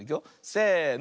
せの。